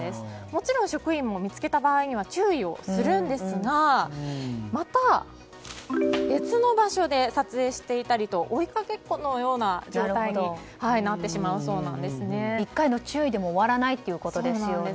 もちろん、職員も見つけた場合には注意をするんですがまた、別の場所で撮影していたりと追いかけっこのような状態に１回の注意で終わらないってことですね。